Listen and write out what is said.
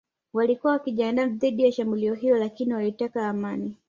Walikuwa wakijiandaa dhidi ya shambulio lakini walitaka amani